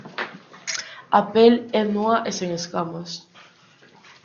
A pel é núa e sen escamas.